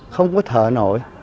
không có thở nổi